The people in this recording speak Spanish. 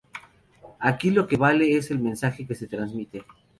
Aquí lo que vale es el mensaje que se transmite".